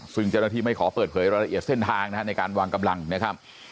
ซึ่งเจ้าหน้าที่ไม่ขอเปิดเผยรายละเอียดเส้นทางนะฮะในการวางกำลังนะครับ